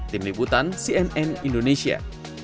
tim liputan cnn indonesia